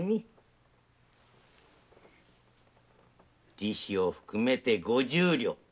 利子を含めて五十両。